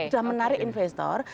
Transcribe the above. sudah menarik investor